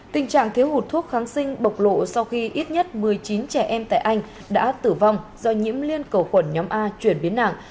tình trạng thiếu hụt thuốc kháng sinh bộc lộ sau khi ít nhất một mươi chín trẻ em tại anh đã tử vong do nhiễm liên cầu khuẩn nhóm a chuyển biến nặng